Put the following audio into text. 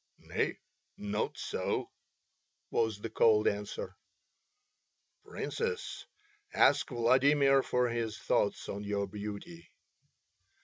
"Nay, not so," was the cold answer. "Princess, ask Vladimir for his thoughts on your beauty."